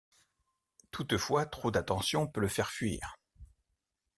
Toutefois, trop d'attention peut le faire fuir.